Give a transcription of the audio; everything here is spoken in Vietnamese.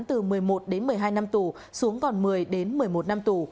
từ một mươi một đến một mươi hai năm tù xuống còn một mươi đến một mươi một năm tù